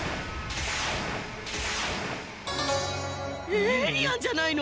エイリアンじゃないの？